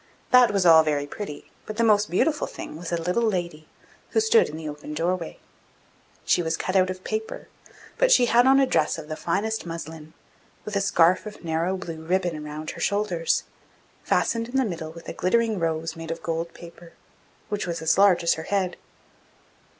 That was all very pretty; but the most beautiful thing was a little lady, who stood in the open doorway. She was cut out of paper, but she had on a dress of the finest muslin, with a scarf of narrow blue ribbon round her shoulders, fastened in the middle with a glittering rose made of gold paper, which was as large as her head.